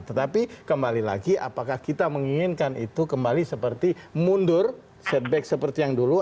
tetapi kembali lagi apakah kita menginginkan itu kembali seperti mundur setback seperti yang dulu